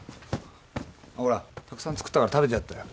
ほらたくさん作ったから食べてやってよ。